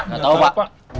tidak tahu pak